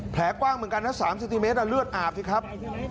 แผลกว้างเหมือนกันนะ๓๐เมตรแล้วเลือดอาบดิครับ